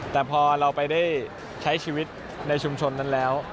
แต่พอเราไปได้ใช้ชีวิตในชุมชนนั้นแล้ว